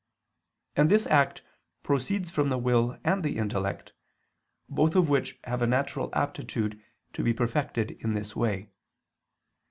And this act proceeds from the will and the intellect, both of which have a natural aptitude to be perfected in this way.